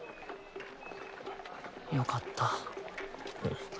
よかった。